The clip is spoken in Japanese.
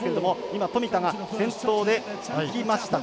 今、富田が先頭でいきました。